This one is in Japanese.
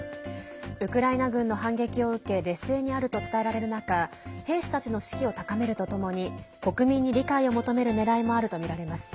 ウクライナ軍の反撃を受け劣勢にあると伝えられる中兵士たちの士気を高めるとともに国民に理解を求める狙いもあるとみられます。